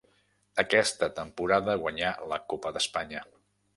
Aquesta temporada guanyà la Copa d'Espanya.